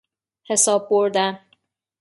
حساب بردن